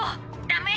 ダメ！